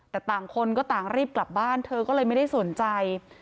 แต่ต่างคนก็ต่างรีบกลับบ้านเธอก็เลยไม่ได้สนใจ